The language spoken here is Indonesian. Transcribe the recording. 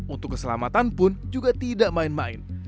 untuk keselamatan pun juga tidak main main